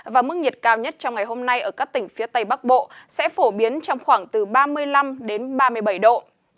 và mức nhiệt cao nhất trong ngày hôm nay ở các tỉnh phía tây bắc bộ sẽ phổ biến trong khoảng từ ba mươi năm đến ba mươi bảy độ